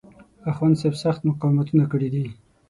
اخوندصاحب سخت مقاومتونه کړي دي.